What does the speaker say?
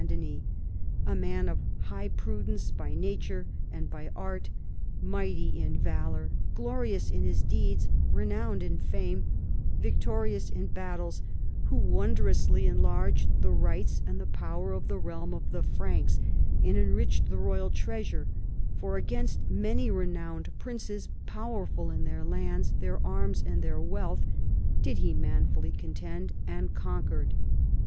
Denys, "a man of high prudence by nature and by art, mighty in valour, glorious in his deeds, renowned in fame, victorious in battles, who wondrously enlarged the rights and the power of the realm of the Franks and enriched the royal treasure; for against many renowned princes, powerful in their lands, their arms and their wealth, did he manfully contend, and conquered.